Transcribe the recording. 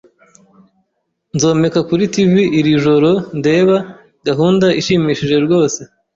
Nzomeka kuri TV iri joro ndeba gahunda ishimishije rwose.